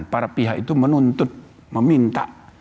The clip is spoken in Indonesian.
para pihak itu menuntut meminta